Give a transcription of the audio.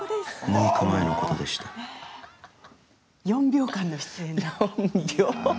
４秒間の出演。